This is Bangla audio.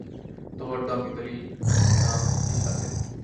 তোমার দেওয়া মিতালি নাম ওকেই সাজে।